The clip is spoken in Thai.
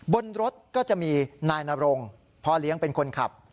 บนรถก็จะมีนายนรงพ่อเลี้ยงเป็นคนขับ